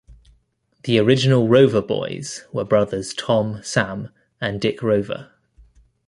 The original Rover Boys were brothers Tom, Sam, and Dick Rover.